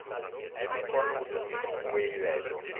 Elton Figueiredo